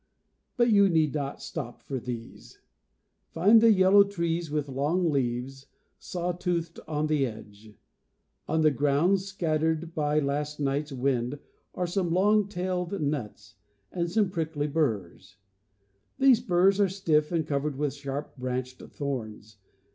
But you need not stop for these, '""""""*''"''""^'"'* Find the yellow tree with lonj^ leaves, saw trxithed on the edge. On the ground, mattered by la.st 68 night's wind, are some long tailed nuts (Fig. i) and some prickly burs (Fig. 2). ,j These burs are stiff and covered with sharp branched thorns.